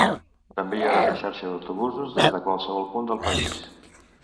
També hi haurà una xarxa d’autobusos des de qualsevol punt del país.